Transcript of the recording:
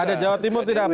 ada jawa timur tidak apa